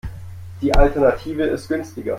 Die Alternative ist günstiger.